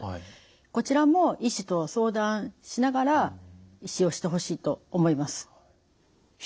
こちらも医師と相談しながら使用してほしいと思います。